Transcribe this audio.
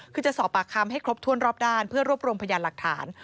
คือจะสอบปากคำให้ครบถ้วนรอบด้านเพื่อรวบรวมพยานหลักฐาน